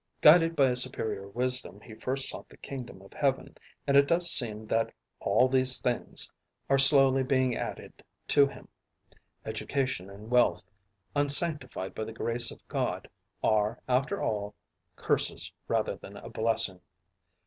Guided by a superior wisdom, he first sought the kingdom of heaven, and it does seem that "all these things" are slowly being added to him. Education and wealth, unsanctified by the grace of God, are after all, curses rather than a blessing.